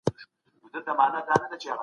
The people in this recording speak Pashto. اغزي په پښو کې لګيږي.